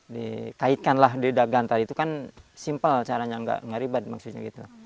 dikaitkanlah di gantar itu kan simpel caranya nggak ribet maksudnya gitu